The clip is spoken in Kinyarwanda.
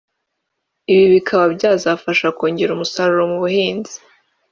ibi bikaba byazafasha kongera umusaruro mu buhinzi